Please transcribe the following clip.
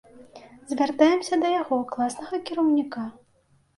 Звяртаемся да яго класнага кіраўніка.